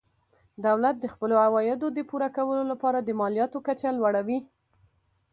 دولت د خپلو عوایدو د پوره کولو لپاره د مالیاتو کچه لوړوي.